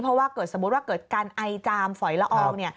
เพราะว่าเกิดสมมุติว่าเกิดการไอจามฝอยละออง